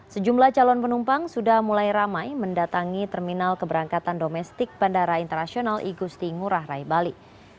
sejumlah calon penumpang sudah mulai ramai mendatangi terminal keberangkatan domestik bandara internasional igusti ngurah rai bali